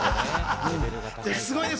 すごいね。